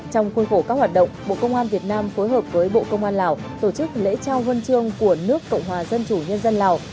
trong khuôn khổ các hoạt động bộ công an việt nam phối hợp với bộ công an lào tổ chức lễ trao huân chương của nước cộng hòa dân chủ nhân dân lào